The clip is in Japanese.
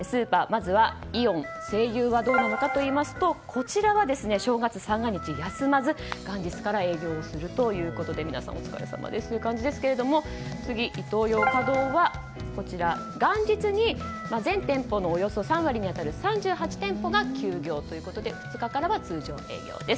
イオン、西友はどうなのかというとこちらは、正月三が日は休まず元日から営業するということで皆さんお疲れさまですという感じですけれども次、イトーヨーカドーは元日に全店舗のおよそ３割に当たる３８店舗が休業ということで２日からは通常営業です。